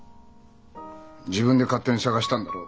自分で勝手に捜したんだろ。